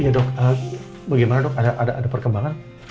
ya dok bagaimana dok ada perkembangan